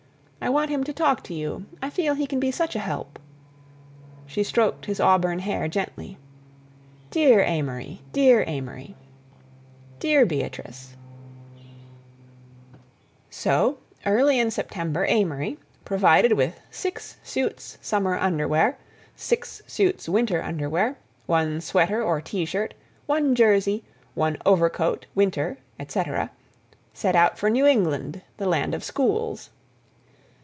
I want him to talk to you—I feel he can be such a help—" She stroked his auburn hair gently. "Dear Amory, dear Amory—" "Dear Beatrice—" So early in September Amory, provided with "six suits summer underwear, six suits winter underwear, one sweater or T shirt, one jersey, one overcoat, winter, etc.," set out for New England, the land of schools.